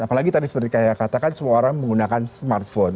apalagi tadi seperti kayak katakan semua orang menggunakan smartphone